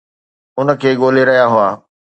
ان کي ڳولي رهيا هئا